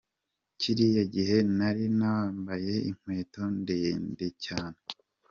Kiriya gihe nari nambaye inkweto ndende cyane.